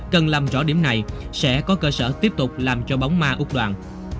cần làm rõ điểm này sẽ có cơ sở tiếp tục làm cho bóng ma úc đoàn